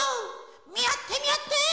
みあってみあって！